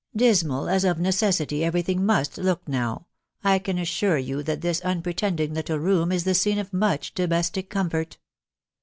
Dismal as of necessity every thing must look now, I can assure you that this unpre tending little room is the scene of much domestic comfort."